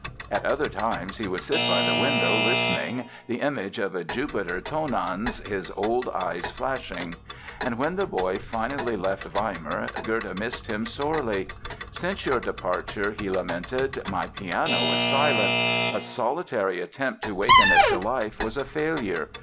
At other times he would sit by the window listening, the image of a Jupiter Tonans, his old eyes flashing. And when the boy finally left Weimar Goethe missed him sorely. "Since your departure", he lamented, "my piano is silent. A solitary attempt to waken it to life was a failure.